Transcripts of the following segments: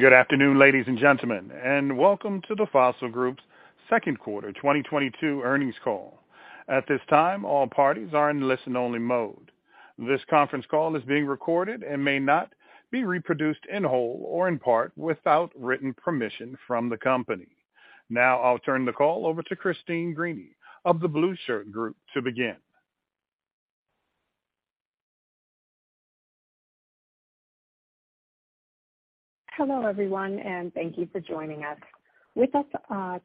Good afternoon, ladies and gentlemen, and welcome to the Fossil Group's second quarter 2022 earnings call. At this time, all parties are in listen-only mode. This conference call is being recorded and may not be reproduced in whole or in part without written permission from the company. Now, I'll turn the call over to Christine Greany of The Blueshirt Group to begin. Hello, everyone, and thank you for joining us. With us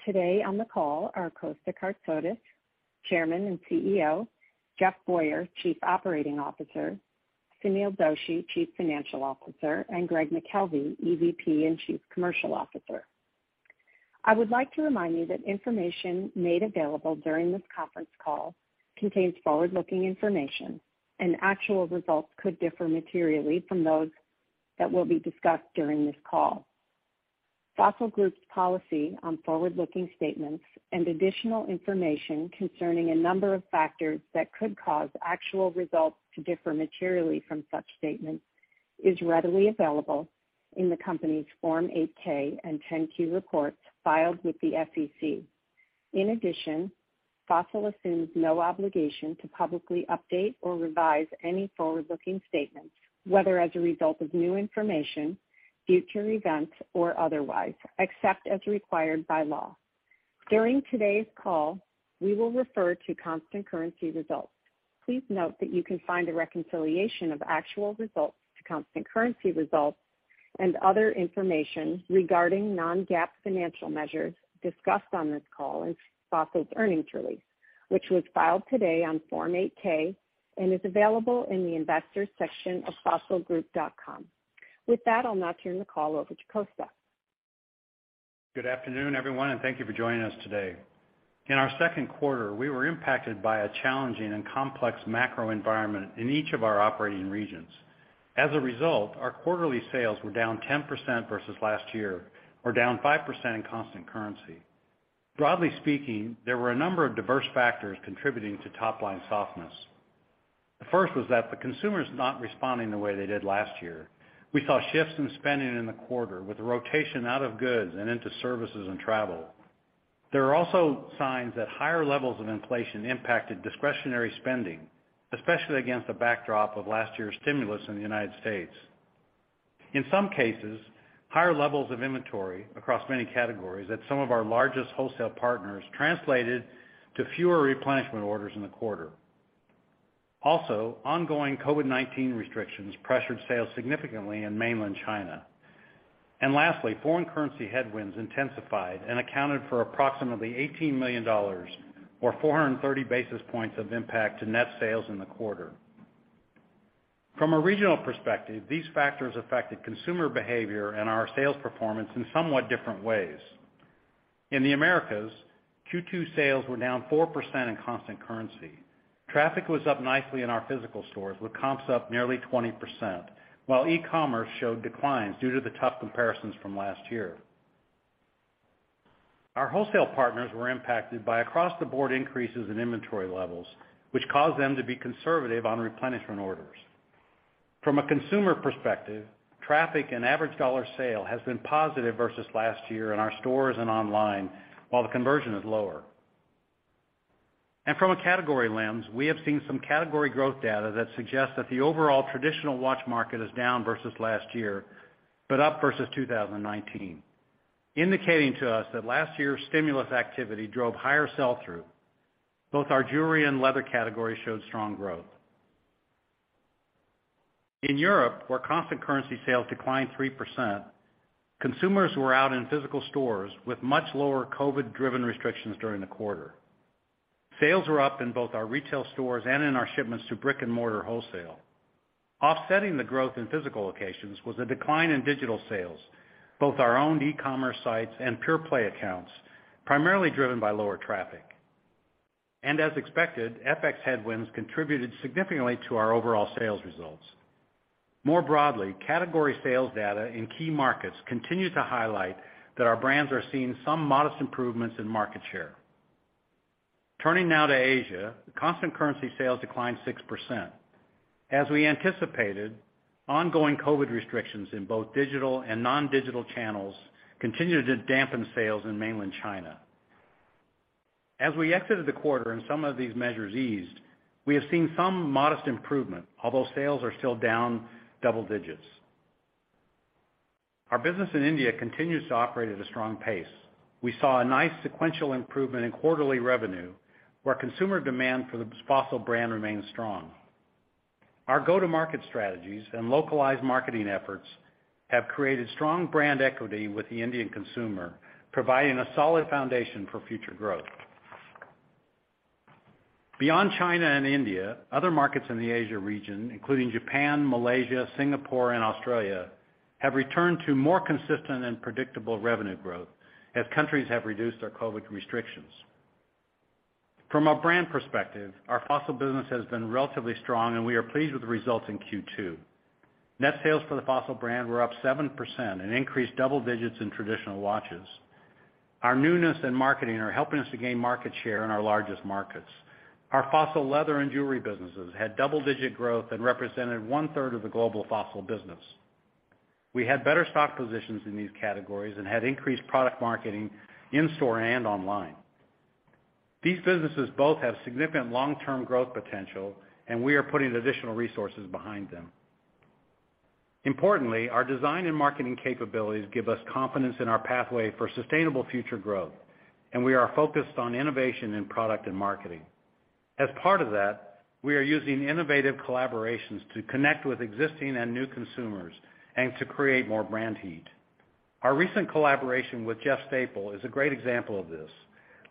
today on the call are Kosta Kartsotis, Chairman and CEO, Jeffrey N. Boyer, Chief Operating Officer, Sunil Doshi, Chief Financial Officer, and Greg McKelvey, EVP and Chief Commercial Officer. I would like to remind you that information made available during this conference call contains forward-looking information and actual results could differ materially from those that will be discussed during this call. Fossil Group's policy on forward-looking statements and additional information concerning a number of factors that could cause actual results to differ materially from such statements is readily available in the company's Form 8-K and 10-Q reports filed with the SEC. In addition, Fossil Group assumes no obligation to publicly update or revise any forward-looking statements, whether as a result of new information, future events, or otherwise, except as required by law. During today's call, we will refer to constant currency results. Please note that you can find a reconciliation of actual results to constant currency results and other information regarding non-GAAP financial measures discussed on this call in Fossil Group's earnings release, which was filed today on Form 8-K and is available in the Investors Section of fossilgroup.com. With that, I'll now turn the call over to Kosta. Good afternoon, everyone, and thank you for joining us today. In our second quarter, we were impacted by a challenging and complex macro environment in each of our operating regions. As a result, our quarterly sales were down 10% versus last year or down 5% in constant currency. Broadly speaking, there were a number of diverse factors contributing to top line softness. The first was that the consumer is not responding the way they did last year. We saw shifts in spending in the quarter with a rotation out of goods and into services and travel. There are also signs that higher levels of inflation impacted discretionary spending, especially against the backdrop of last year's stimulus in the United States. In some cases, higher levels of inventory across many categories at some of our largest wholesale partners translated to fewer replenishment orders in the quarter. Also, ongoing COVID-19 restrictions pressured sales significantly in mainland China. Lastly, foreign currency headwinds intensified and accounted for approximately $18 million or 430 basis points of impact to net sales in the quarter. From a regional perspective, these factors affected consumer behavior and our sales performance in somewhat different ways. In the Americas, Q2 sales were down 4% in constant currency. Traffic was up nicely in our physical stores, with comps up nearly 20%, while e-commerce showed declines due to the tough comparisons from last year. Our wholesale partners were impacted by across-the-board increases in inventory levels, which caused them to be conservative on replenishment orders. From a consumer perspective, traffic and average dollar sale has been positive versus last year in our stores and online, while the conversion is lower. From a category lens, we have seen some category growth data that suggests that the overall traditional watch market is down versus last year, but up versus 2019, indicating to us that last year's stimulus activity drove higher sell-through. Both our jewelry and leather categories showed strong growth. In Europe, where constant currency sales declined 3%, consumers were out in physical stores with much lower COVID-driven restrictions during the quarter. Sales were up in both our retail stores and in our shipments to brick-and-mortar wholesale. Offsetting the growth in physical locations was a decline in digital sales, both our owned e-commerce sites and pure-play accounts, primarily driven by lower traffic. As expected, FX headwinds contributed significantly to our overall sales results. More broadly, category sales data in key markets continue to highlight that our brands are seeing some modest improvements in market share. Turning now to Asia, constant currency sales declined 6%. As we anticipated, ongoing COVID restrictions in both digital and non-digital channels continued to dampen sales in mainland China. As we exited the quarter and some of these measures eased, we have seen some modest improvement, although sales are still down double digits. Our business in India continues to operate at a strong pace. We saw a nice sequential improvement in quarterly revenue, where consumer demand for the Fossil brand remains strong. Our go-to-market strategies and localized marketing efforts have created strong brand equity with the Indian consumer, providing a solid foundation for future growth. Beyond China and India, other markets in the Asia region, including Japan, Malaysia, Singapore, and Australia, have returned to more consistent and predictable revenue growth as countries have reduced their COVID restrictions. From a brand perspective, our Fossil business has been relatively strong, and we are pleased with the results in Q2. Net sales for the Fossil brand were up 7% and increased double digits in traditional watches. Our newness in marketing are helping us to gain market share in our largest markets. Our Fossil leather and jewelry businesses had double-digit growth and represented 1/3 of the global Fossil business. We had better stock positions in these categories and had increased product marketing in store and online. These businesses both have significant long-term growth potential, and we are putting additional resources behind them. Importantly, our design and marketing capabilities give us confidence in our pathway for sustainable future growth, and we are focused on innovation in product and marketing. As part of that, we are using innovative collaborations to connect with existing and new consumers and to create more brand heat. Our recent collaboration with Jeff Staple is a great example of this.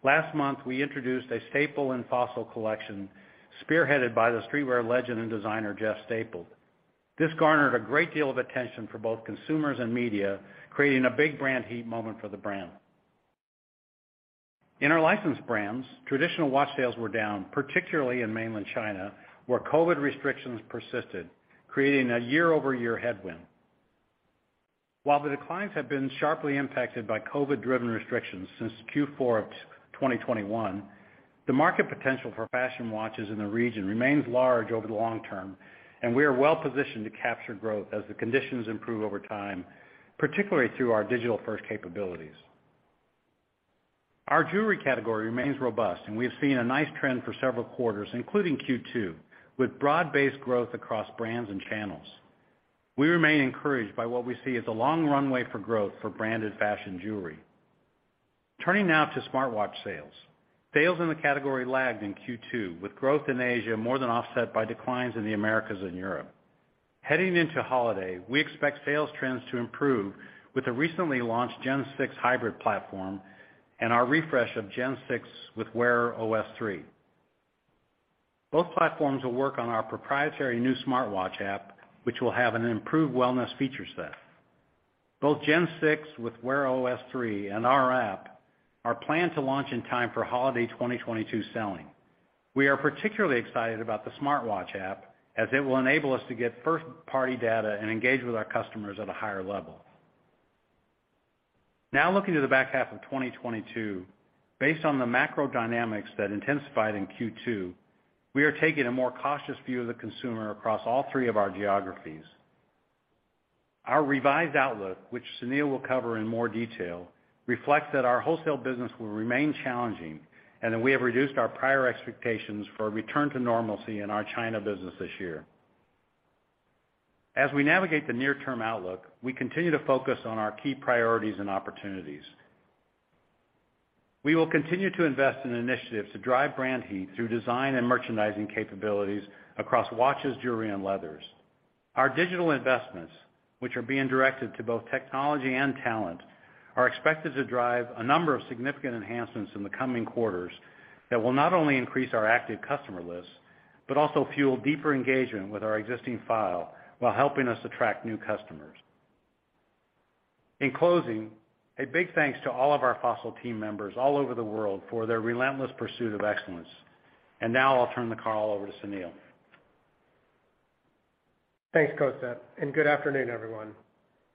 Last month, we introduced a Staple and Fossil collection spearheaded by the streetwear legend and designer, Jeff Staple. This garnered a great deal of attention for both consumers and media, creating a big brand heat moment for the brand. In our licensed brands, traditional watch sales were down, particularly in mainland China, where COVID restrictions persisted, creating a year-over-year headwind. While the declines have been sharply impacted by COVID-driven restrictions since Q4 of 2021, the market potential for fashion watches in the region remains large over the long term, and we are well-positioned to capture growth as the conditions improve over time, particularly through our digital-first capabilities. Our jewelry category remains robust, and we have seen a nice trend for several quarters, including Q2, with broad-based growth across brands and channels. We remain encouraged by what we see as a long runway for growth for branded fashion jewelry. Turning now to smartwatch sales. Sales in the category lagged in Q2, with growth in Asia more than offset by declines in the Americas and Europe. Heading into holiday, we expect sales trends to improve with the recently launched Gen 6 Hybrid platform and our refresh of Gen 6 with Wear OS 3. Both platforms will work on our proprietary new smartwatch app, which will have an improved wellness feature set. Both Gen 6 with Wear OS 3 and our app are planned to launch in time for holiday 2022 selling. We are particularly excited about the smartwatch app as it will enable us to get first-party data and engage with our customers at a higher level. Now looking to the back half of 2022, based on the macro dynamics that intensified in Q2, we are taking a more cautious view of the consumer across all three of our geographies. Our revised outlook, which Sunil will cover in more detail, reflects that our wholesale business will remain challenging and that we have reduced our prior expectations for a return to normalcy in our China business this year. As we navigate the near-term outlook, we continue to focus on our key priorities and opportunities. We will continue to invest in initiatives to drive brand heat through design and merchandising capabilities across watches, jewelry, and leathers. Our digital investments, which are being directed to both technology and talent, are expected to drive a number of significant enhancements in the coming quarters that will not only increase our active customer lists, but also fuel deeper engagement with our existing file while helping us attract new customers. In closing, a big thanks to all of our Fossil team members all over the world for their relentless pursuit of excellence. Now I'll turn the call over to Sunil. Thanks, Kosta, and good afternoon, everyone.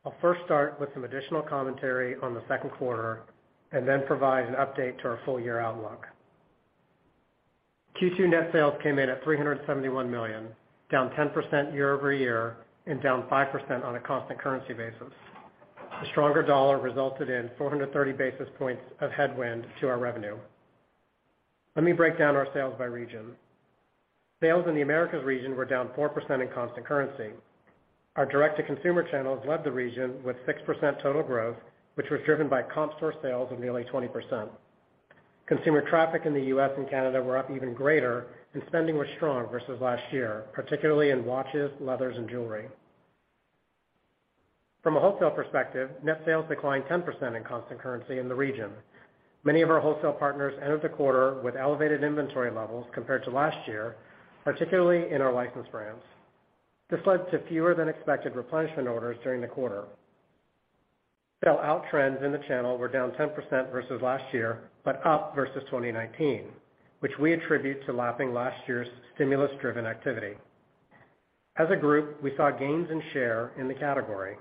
I'll first start with some additional commentary on the second quarter and then provide an update to our full year outlook. Q2 net sales came in at $371 million, down 10% year-over-year and down 5% on a constant currency basis. The stronger dollar resulted in 430 basis points of headwind to our revenue. Let me break down our sales by region. Sales in the Americas region were down 4% in constant currency. Our direct-to-consumer channels led the region with 6% total growth, which was driven by comp store sales of nearly 20%. Consumer traffic in the U.S. and Canada were up even greater, and spending was strong versus last year, particularly in watches, leathers, and jewelry. From a wholesale perspective, net sales declined 10% in constant currency in the region. Many of our wholesale partners ended the quarter with elevated inventory levels compared to last year, particularly in our licensed brands. This led to fewer than expected replenishment orders during the quarter. Sell-out trends in the channel were down 10% versus last year, but up versus 2019, which we attribute to lapping last year's stimulus-driven activity. As a group, we saw gains in share in the category.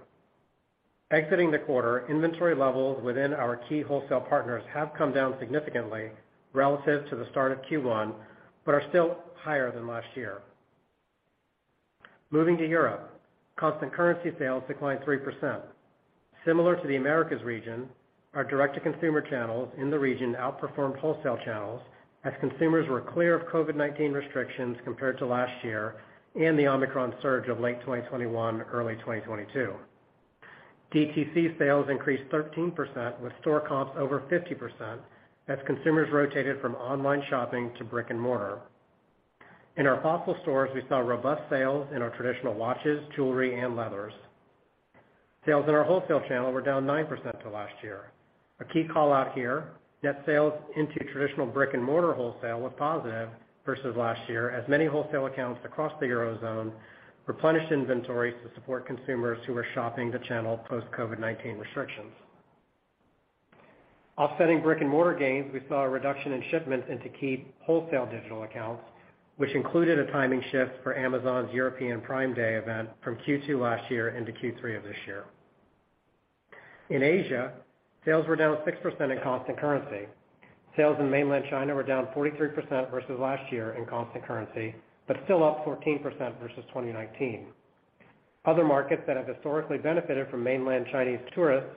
Exiting the quarter, inventory levels within our key wholesale partners have come down significantly relative to the start of Q1, but are still higher than last year. Moving to Europe, constant currency sales declined 3%. Similar to the Americas region, our direct-to-consumer channels in the region outperformed wholesale channels as consumers were clear of COVID-19 restrictions compared to last year and the Omicron surge of late 2021, early 2022. DTC sales increased 13% with store comps over 50% as consumers rotated from online shopping to brick and mortar. In our Fossil stores, we saw robust sales in our traditional watches, jewelry, and leathers. Sales in our wholesale channel were down 9% to last year. A key call out here, net sales into traditional brick and mortar wholesale was positive versus last year as many wholesale accounts across the Eurozone replenished inventories to support consumers who were shopping the channel post-COVID-19 restrictions. Offsetting brick and mortar gains, we saw a reduction in shipments into key wholesale digital accounts, which included a timing shift for Amazon's European Prime Day event from Q2 last year into Q3 of this year. In Asia, sales were down 6% in constant currency. Sales in Mainland China were down 43% versus last year in constant currency, but still up 14% versus 2019. Other markets that have historically benefited from Mainland Chinese tourists,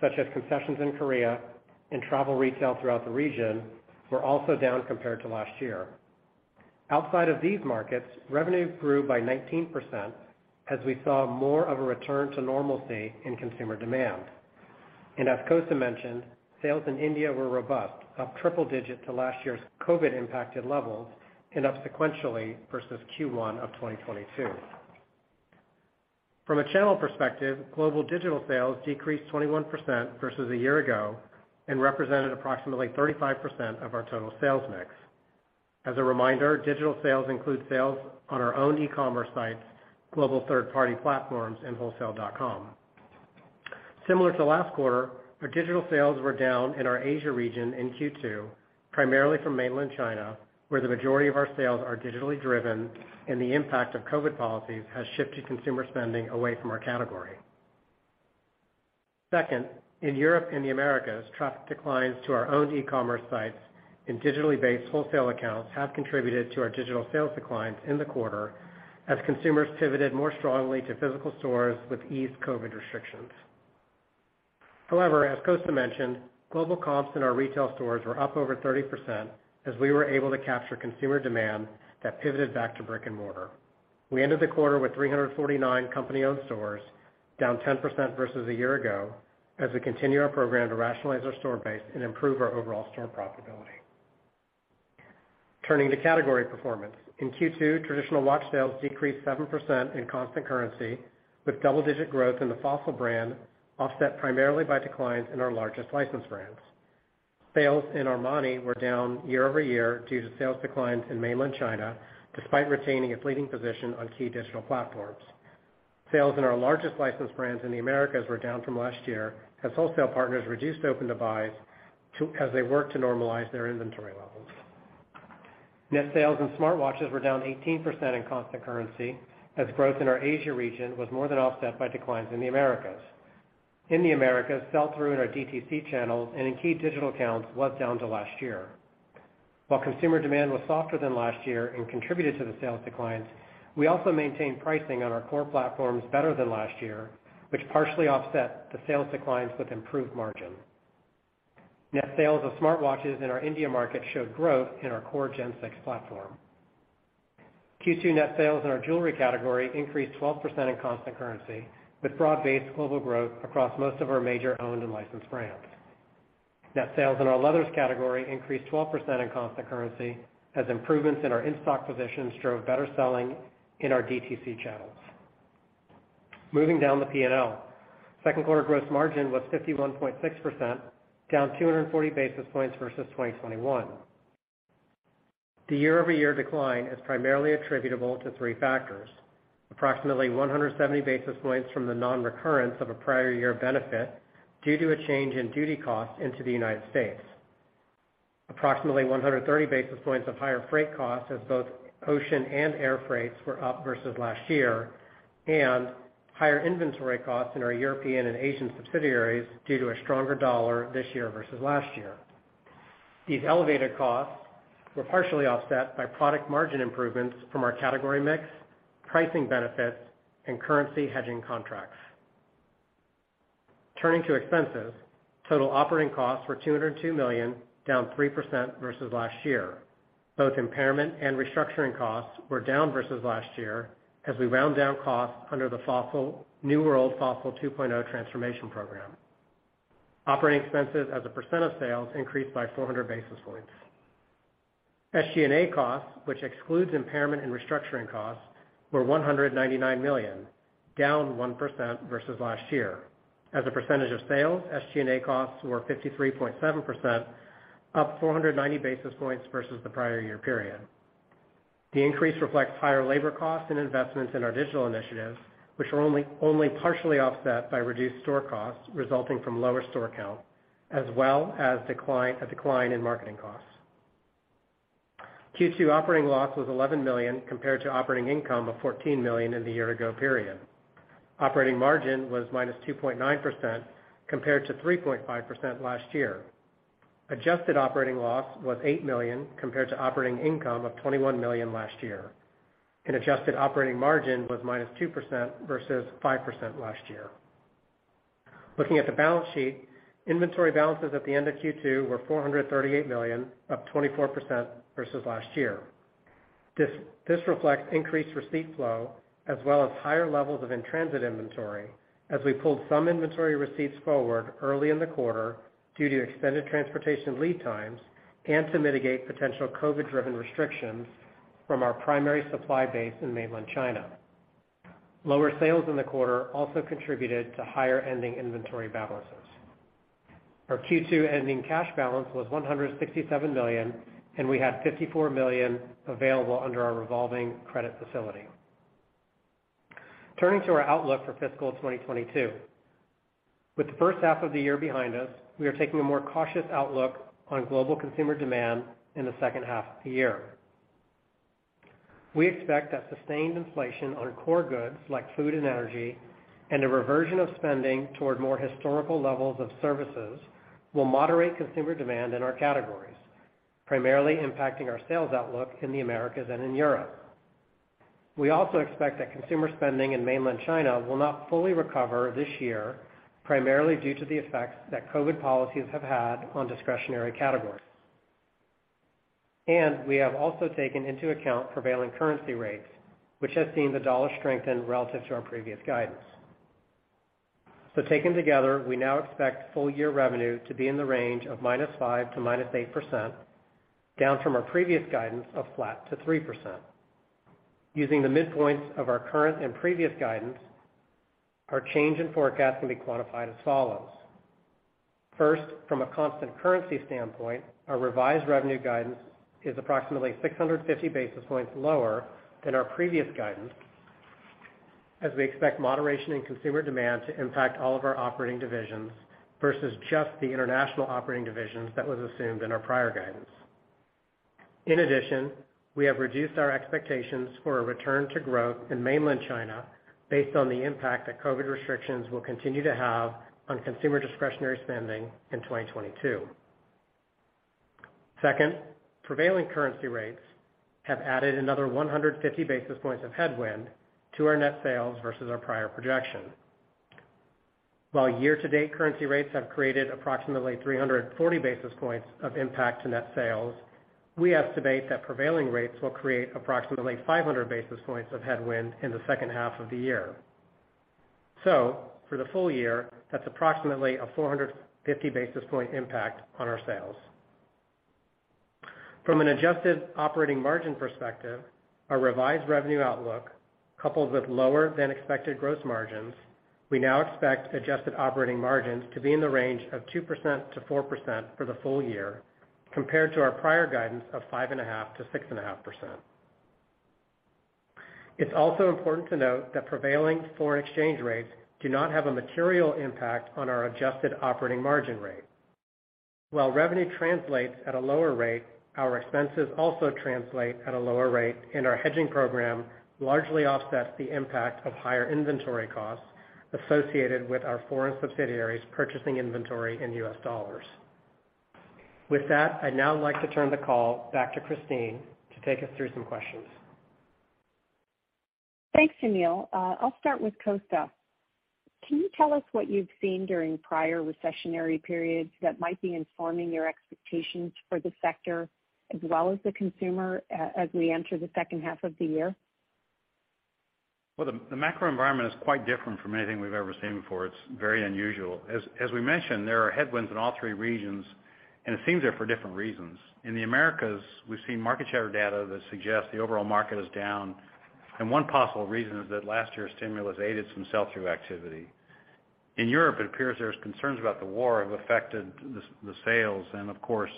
such as concessions in Korea and travel retail throughout the region, were also down compared to last year. Outside of these markets, revenue grew by 19% as we saw more of a return to normalcy in consumer demand. As Kosta mentioned, sales in India were robust, up triple-digit to last year's COVID-impacted levels and up sequentially versus Q1 of 2022. From a channel perspective, global digital sales decreased 21% versus a year ago and represented approximately 35% of our total sales mix. As a reminder, digital sales include sales on our own e-commerce sites, global third-party platforms, and wholesale.com. Similar to last quarter, our digital sales were down in our Asia region in Q2, primarily from Mainland China, where the majority of our sales are digitally driven and the impact of COVID policies has shifted consumer spending away from our category. Second, in Europe and the Americas, traffic declines to our own e-commerce sites and digitally based wholesale accounts have contributed to our digital sales declines in the quarter as consumers pivoted more strongly to physical stores with eased COVID restrictions. However, as Kosta mentioned, global comps in our retail stores were up over 30% as we were able to capture consumer demand that pivoted back to brick and mortar. We ended the quarter with 349 company-owned stores, down 10% versus a year ago, as we continue our program to rationalize our store base and improve our overall store profitability. Turning to category performance. In Q2, traditional watch sales decreased 7% in constant currency, with double-digit growth in the Fossil brand offset primarily by declines in our largest licensed brands. Sales in Armani were down year-over-year due to sales declines in Mainland China, despite retaining a leading position on key digital platforms. Sales in our largest licensed brands in the Americas were down from last year as wholesale partners reduced open-to-buys as they worked to normalize their inventory levels. Net sales in smartwatches were down 18% in constant currency as growth in our Asia region was more than offset by declines in the Americas. In the Americas, sell-through in our DTC channels and in key digital accounts was down from last year. While consumer demand was softer than last year and contributed to the sales declines, we also maintained pricing on our core platforms better than last year, which partially offset the sales declines with improved margin. Net sales of smartwatches in our India market showed growth in our core Gen 6 platform. Q2 net sales in our jewelry category increased 12% in constant currency, with broad-based global growth across most of our major owned and licensed brands. Net sales in our leathers category increased 12% in constant currency as improvements in our in-stock positions drove better selling in our DTC channels. Moving down the P&L. Second quarter gross margin was 51.6%, down 240 basis points versus 2021. The year-over-year decline is primarily attributable to three factors. Approximately 170 basis points from the non-recurrence of a prior year benefit due to a change in duty costs into the United States. Approximately 130 basis points of higher freight costs as both ocean and air freights were up versus last year, and higher inventory costs in our European and Asian subsidiaries due to a stronger dollar this year versus last year. These elevated costs were partially offset by product margin improvements from our category mix, pricing benefits, and currency hedging contracts. Turning to expenses. Total operating costs were $202 million, down 3% versus last year. Both impairment and restructuring costs were down versus last year as we wound down costs under the New World Fossil 2.0 transformation program. Operating expenses as a percent of sales increased by 400 basis points. SG&A costs, which excludes impairment and restructuring costs, were $199 million, down 1% versus last year. As a percentage of sales, SG&A costs were 53.7%, up 490 basis points versus the prior year period. The increase reflects higher labor costs and investments in our digital initiatives, which were only partially offset by reduced store costs resulting from lower store count, as well as a decline in marketing costs. Q2 operating loss was $11 million compared to operating income of $14 million in the year ago period. Operating margin was -2.9% compared to 3.5% last year. Adjusted operating loss was $8 million compared to operating income of $21 million last year, and adjusted operating margin was -2% versus 5% last year. Looking at the balance sheet, inventory balances at the end of Q2 were $438 million, up 24% versus last year. This reflects increased receipt flow as well as higher levels of in-transit inventory as we pulled some inventory receipts forward early in the quarter due to extended transportation lead times and to mitigate potential COVID-driven restrictions from our primary supply base in Mainland China. Lower sales in the quarter also contributed to higher ending inventory balances. Our Q2 ending cash balance was $167 million, and we had $54 million available under our revolving credit facility. Turning to our outlook for fiscal 2022. With the first half of the year behind us, we are taking a more cautious outlook on global consumer demand in the second half of the year. We expect that sustained inflation on core goods like food and energy and a reversion of spending toward more historical levels of services will moderate consumer demand in our categories, primarily impacting our sales outlook in the Americas and in Europe. We also expect that consumer spending in Mainland China will not fully recover this year, primarily due to the effects that COVID policies have had on discretionary categories. We have also taken into account prevailing currency rates, which has seen the dollar strengthen relative to our previous guidance. Taken together, we now expect full year revenue to be in the range of -5% to -8%, down from our previous guidance of flat to 3%. Using the midpoints of our current and previous guidance, our change in forecast can be quantified as follows. First, from a constant currency standpoint, our revised revenue guidance is approximately 650 basis points lower than our previous guidance, as we expect moderation in consumer demand to impact all of our operating divisions versus just the international operating divisions that was assumed in our prior guidance. In addition, we have reduced our expectations for a return to growth in Mainland China based on the impact that COVID restrictions will continue to have on consumer discretionary spending in 2022. Second, prevailing currency rates have added another 150 basis points of headwind to our net sales versus our prior projection. While year-to-date currency rates have created approximately 340 basis points of impact to net sales, we estimate that prevailing rates will create approximately 500 basis points of headwind in the second half of the year. For the full year, that's approximately a 450 basis point impact on our sales. From an adjusted operating margin perspective, our revised revenue outlook, coupled with lower than expected gross margins, we now expect adjusted operating margins to be in the range of 2% - 4% for the full year compared to our prior guidance of 5.5% - 6.5%. It's also important to note that prevailing foreign exchange rates do not have a material impact on our adjusted operating margin rate. While revenue translates at a lower rate, our expenses also translate at a lower rate, and our hedging program largely offsets the impact of higher inventory costs associated with our foreign subsidiaries purchasing inventory in U.S. dollars. With that, I'd now like to turn the call back to Christine to take us through some questions. Thanks, Sunil. I'll start with Kosta. Can you tell us what you've seen during prior recessionary periods that might be informing your expectations for the sector as well as the consumer as we enter the second half of the year? Well, the macro environment is quite different from anything we've ever seen before. It's very unusual. As we mentioned, there are headwinds in all three regions, and it seems they're for different reasons. In the Americas, we've seen market share data that suggests the overall market is down, and one possible reason is that last year's stimulus aided some sell-through activity. In Europe, it appears there's concerns about the war have affected the sales, and of course,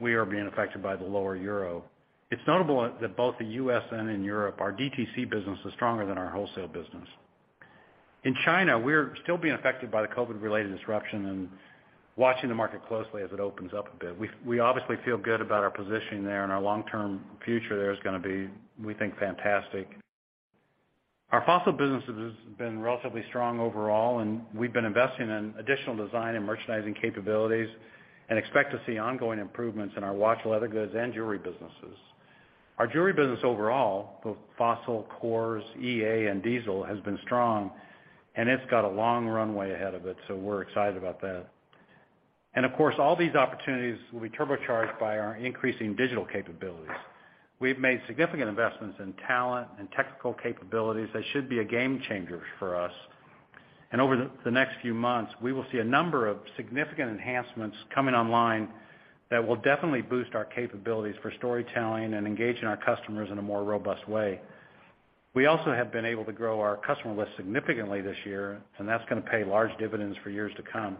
we are being affected by the lower euro. It's notable that both in the U.S. and in Europe, our DTC business is stronger than our wholesale business. In China, we're still being affected by the COVID-related disruption and watching the market closely as it opens up a bit. We obviously feel good about our position there and our long-term future there is gonna be, we think, fantastic. Our Fossil business has been relatively strong overall, and we've been investing in additional design and merchandising capabilities and expect to see ongoing improvements in our watch, leather goods, and jewelry businesses. Our jewelry business overall, both Fossil, Kors, EA, and Diesel, has been strong, and it's got a long runway ahead of it, so we're excited about that. Of course, all these opportunities will be turbocharged by our increasing digital capabilities. We've made significant investments in talent and technical capabilities that should be a game changer for us. Over the next few months, we will see a number of significant enhancements coming online that will definitely boost our capabilities for storytelling and engaging our customers in a more robust way. We also have been able to grow our customer list significantly this year, and that's gonna pay large dividends for years to come.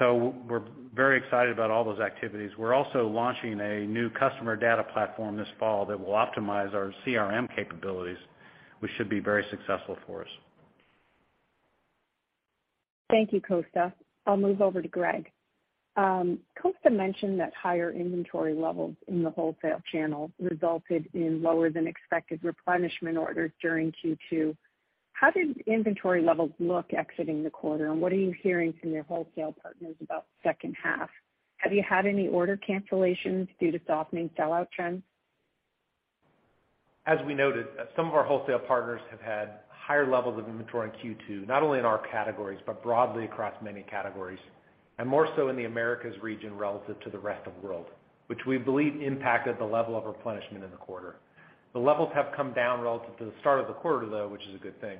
We're very excited about all those activities. We're also launching a new customer data platform this fall that will optimize our CRM capabilities, which should be very successful for us. Thank you, Kosta. I'll move over to Greg. Kosta mentioned that higher inventory levels in the wholesale channel resulted in lower than expected replenishment orders during Q2. How did inventory levels look exiting the quarter, and what are you hearing from your wholesale partners about second half? Have you had any order cancellations due to softening sell-out trends? As we noted, some of our wholesale partners have had higher levels of inventory in Q2, not only in our categories, but broadly across many categories, and more so in the Americas region relative to the rest of the world, which we believe impacted the level of replenishment in the quarter. The levels have come down relative to the start of the quarter, though, which is a good thing.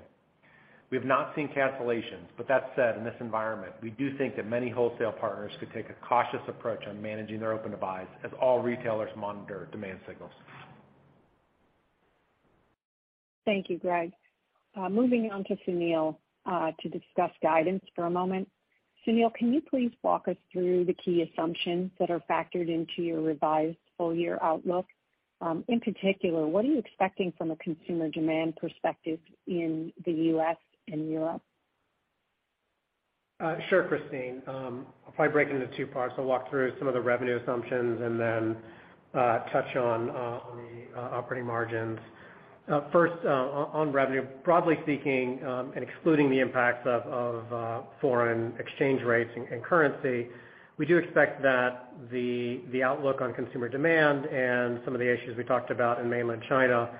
We have not seen cancellations, but that said, in this environment, we do think that many wholesale partners could take a cautious approach on managing their open-to-buys as all retailers monitor demand signals. Thank you, Greg. Moving on to Sunil to discuss guidance for a moment. Sunil, can you please walk us through the key assumptions that are factored into your revised full-year outlook? In particular, what are you expecting from a consumer demand perspective in the U.S. and Europe? Sure, Christine. I'll probably break it into two parts. I'll walk through some of the revenue assumptions and then touch on the operating margins. First, on revenue. Broadly speaking, and excluding the impacts of foreign exchange rates and currency, we do expect that the outlook on consumer demand and some of the issues we talked about in Mainland China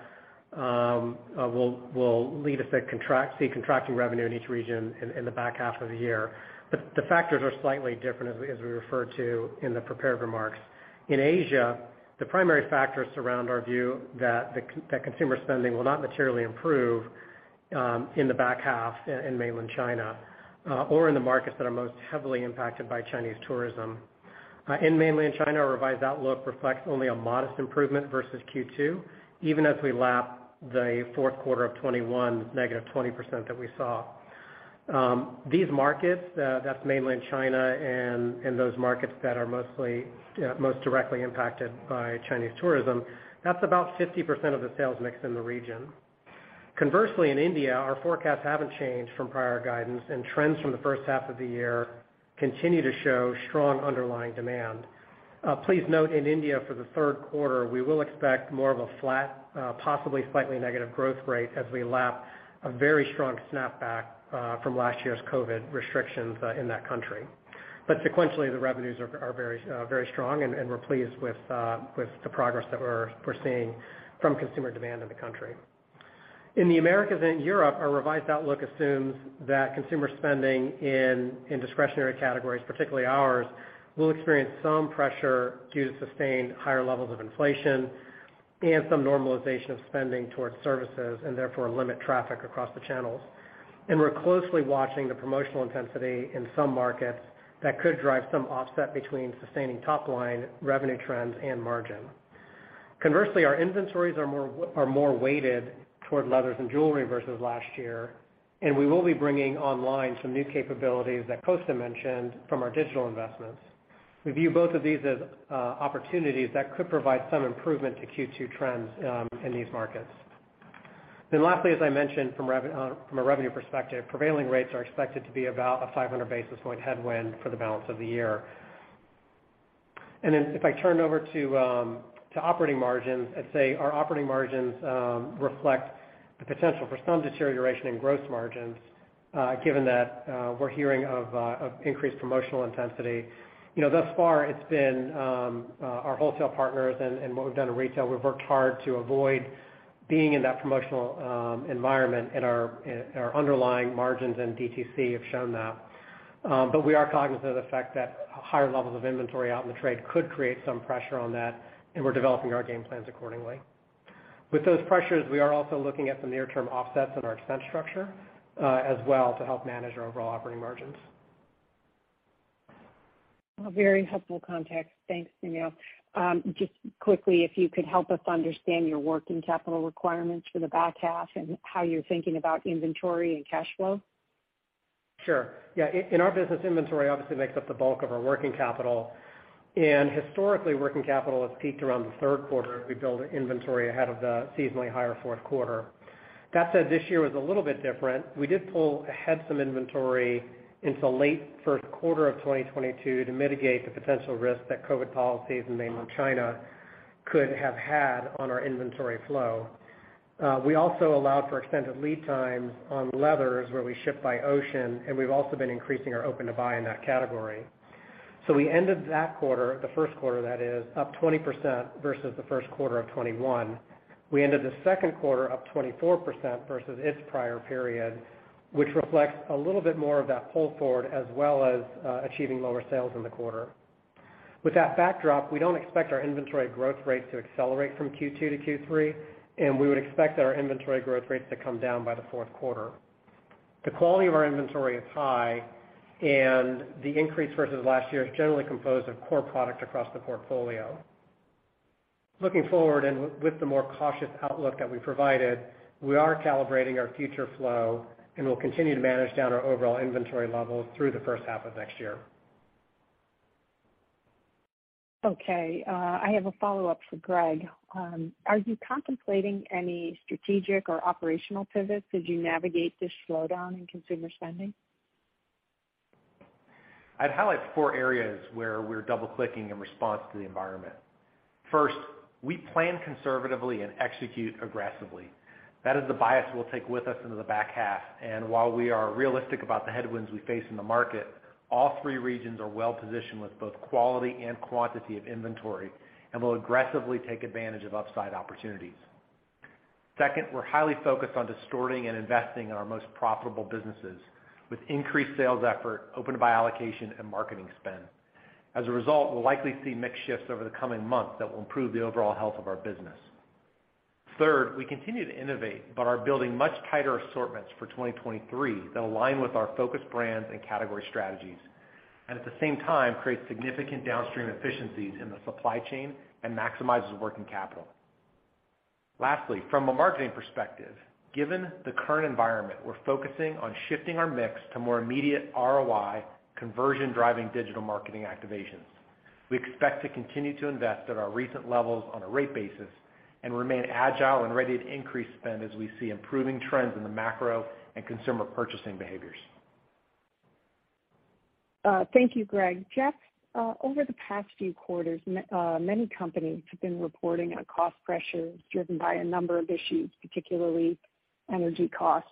will lead us to see contracting revenue in each region in the back half of the year. The factors are slightly different as we refer to in the prepared remarks. In Asia, the primary factors surround our view that consumer spending will not materially improve in the back half in Mainland China or in the markets that are most heavily impacted by Chinese tourism. In Mainland China, our revised outlook reflects only a modest improvement versus Q2, even as we lap the fourth quarter of 2021, negative 20% that we saw. These markets, that's Mainland China and those markets that are most directly impacted by Chinese tourism, that's about 50% of the sales mix in the region. Conversely, in India, our forecasts haven't changed from prior guidance, and trends from the first half of the year continue to show strong underlying demand. Please note, in India, for the third quarter, we will expect more of a flat, possibly slightly negative growth rate as we lap a very strong snapback from last year's COVID restrictions in that country. Sequentially, the revenues are very strong, and we're pleased with the progress that we're seeing from consumer demand in the country. In the Americas and Europe, our revised outlook assumes that consumer spending in discretionary categories, particularly ours, will experience some pressure due to sustained higher levels of inflation and some normalization of spending towards services, and therefore limit traffic across the channels. We're closely watching the promotional intensity in some markets that could drive some offset between sustaining top line revenue trends and margin. Conversely, our inventories are more weighted toward leathers and jewelry versus last year, and we will be bringing online some new capabilities that Kosta mentioned from our digital investments. We view both of these as opportunities that could provide some improvement to Q2 trends in these markets. Lastly, as I mentioned from a revenue perspective, prevailing rates are expected to be about a 500 basis point headwind for the balance of the year. If I turn over to operating margins, I'd say our operating margins reflect the potential for some deterioration in gross margins, given that, we're hearing of increased promotional intensity. You know, thus far it's been our wholesale partners and what we've done in retail, we've worked hard to avoid being in that promotional environment, and our underlying margins and DTC have shown that. We are cognizant of the fact that higher levels of inventory out in the trade could create some pressure on that, and we're developing our game plans accordingly. With those pressures, we are also looking at some near-term offsets in our expense structure, as well to help manage our overall operating margins. A very helpful context. Thanks, Sunil. Just quickly, if you could help us understand your working capital requirements for the back half and how you're thinking about inventory and cash flow. Sure. Yeah. In our business, inventory obviously makes up the bulk of our working capital. Historically, working capital has peaked around the third quarter as we build inventory ahead of the seasonally higher fourth quarter. That said, this year was a little bit different. We did pull ahead some inventory into late first quarter of 2022 to mitigate the potential risk that COVID policies in Mainland China could have had on our inventory flow. We also allowed for extended lead times on leathers, where we ship by ocean, and we've also been increasing our open to buy in that category. We ended that quarter, the first quarter that is, up 20% versus the first quarter of 2021. We ended the second quarter up 24% versus its prior period, which reflects a little bit more of that pull forward as well as achieving lower sales in the quarter. With that backdrop, we don't expect our inventory growth rate to accelerate from Q2 to Q3, and we would expect our inventory growth rates to come down by the fourth quarter. The quality of our inventory is high, and the increase versus last year is generally composed of core product across the portfolio. Looking forward and with the more cautious outlook that we provided, we are calibrating our future flow, and we'll continue to manage down our overall inventory levels through the first half of next year. Okay. I have a follow-up for Greg. Are you contemplating any strategic or operational pivots as you navigate this slowdown in consumer spending? I'd highlight four areas where we're double-clicking in response to the environment. First, we plan conservatively and execute aggressively. That is the bias we'll take with us into the back half. While we are realistic about the headwinds we face in the market, all three regions are well positioned with both quality and quantity of inventory and will aggressively take advantage of upside opportunities. Second, we're highly focused on distributing and investing in our most profitable businesses with increased sales effort, open to buy allocation, and marketing spend. As a result, we'll likely see mix shifts over the coming months that will improve the overall health of our business. Third, we continue to innovate, but are building much tighter assortments for 2023 that align with our focused brands and category strategies. At the same time, create significant downstream efficiencies in the supply chain and maximizes working capital. Lastly, from a marketing perspective, given the current environment, we're focusing on shifting our mix to more immediate ROI conversion-driving digital marketing activations. We expect to continue to invest at our recent levels on a rate basis and remain agile and ready to increase spend as we see improving trends in the macro and consumer purchasing behaviors. Thank you, Greg. Jeff, over the past few quarters, many companies have been reporting on cost pressures driven by a number of issues, particularly energy costs.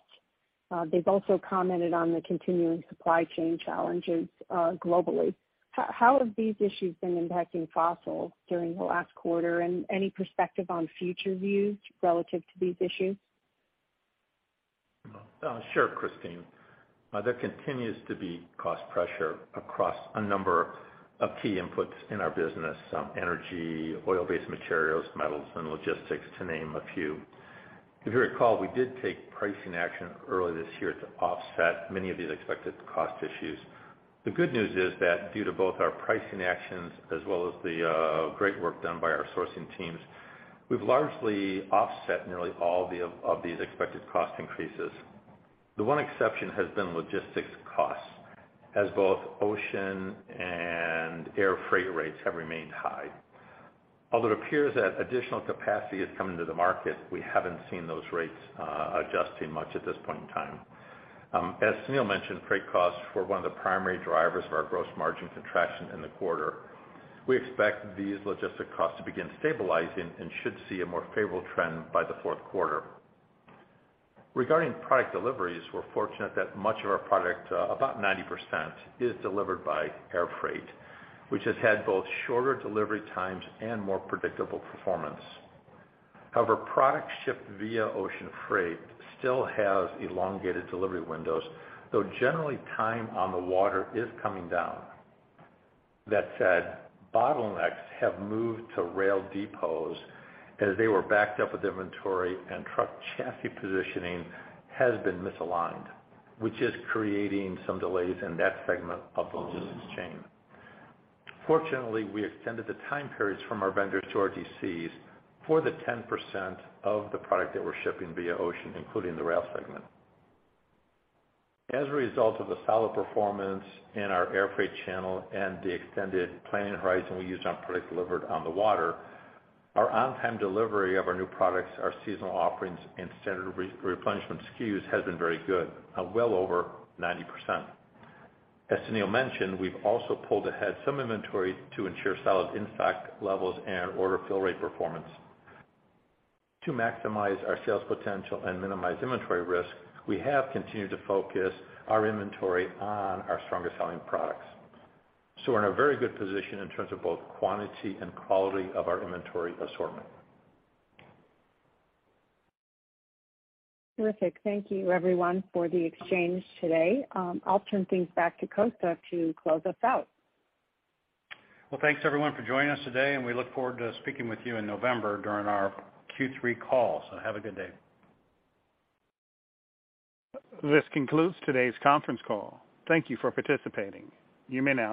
They've also commented on the continuing supply chain challenges, globally. How have these issues been impacting Fossil during the last quarter, and any perspective on future views relative to these issues? Sure, Christine. There continues to be cost pressure across a number of key inputs in our business. Energy, oil-based materials, metals, and logistics, to name a few. If you recall, we did take pricing action early this year to offset many of these expected cost issues. The good news is that due to both our pricing actions as well as the great work done by our sourcing teams, we've largely offset nearly all of these expected cost increases. The one exception has been logistics costs, as both ocean and air freight rates have remained high. Although it appears that additional capacity is coming to the market, we haven't seen those rates adjusting much at this point in time. As Sunil mentioned, freight costs were one of the primary drivers of our gross margin contraction in the quarter. We expect these logistic costs to begin stabilizing and should see a more favorable trend by the fourth quarter. Regarding product deliveries, we're fortunate that much of our product, about 90%, is delivered by air freight, which has had both shorter delivery times and more predictable performance. However, product shipped via ocean freight still has elongated delivery windows, though generally, time on the water is coming down. That said, bottlenecks have moved to rail depots as they were backed up with inventory and truck chassis positioning has been misaligned, which is creating some delays in that segment of the logistics chain. Fortunately, we extended the time periods from our vendors to our DCs for the 10% of the product that we're shipping via ocean, including the rail segment. As a result of the solid performance in our airfreight channel and the extended planning horizon we used on product delivered on the water, our on-time delivery of our new products, our seasonal offerings, and standard re-replenishment SKUs has been very good, well over 90%. As Sunil mentioned, we've also pulled ahead some inventory to ensure solid in-stock levels and order fill rate performance. To maximize our sales potential and minimize inventory risk, we have continued to focus our inventory on our stronger selling products. We're in a very good position in terms of both quantity and quality of our inventory assortment. Terrific. Thank you, everyone, for the exchange today. I'll turn things back to Kosta to close us out. Well, thanks, everyone, for joining us today, and we look forward to speaking with you in November during our Q3 call. Have a good day. This concludes today's conference call. Thank you for participating. You may now disconnect.